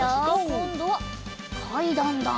こんどはかいだんだ。